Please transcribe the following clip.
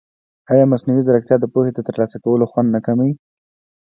ایا مصنوعي ځیرکتیا د پوهې د ترلاسه کولو خوند نه کموي؟